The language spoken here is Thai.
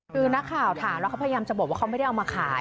คือนักข่าวถามแล้วเขาพยายามจะบอกว่าเขาไม่ได้เอามาขาย